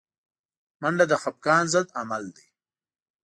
منډه د خفګان ضد عمل دی